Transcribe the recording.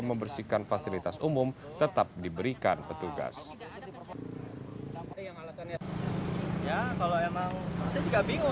membersihkan fasilitas umum tetap diberikan petugas yang alasannya kalau emang juga bingung